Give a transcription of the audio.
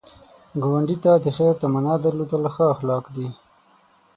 ګاونډي ته د خیر تمنا درلودل ښو اخلاق دي